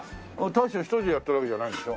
大将一人でやってるわけじゃないんでしょ？